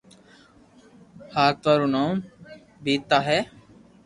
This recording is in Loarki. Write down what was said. ھاتوا رو نوم ببتا ھي